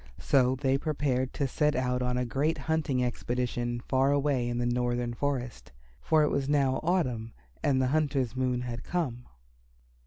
So they prepared to set out on a great hunting expedition far away in the northern forest, for it was now autumn, and the hunter's moon had come.